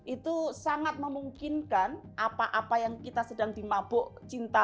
itu sangat memungkinkan apa apa yang kita sedang dimabuk cinta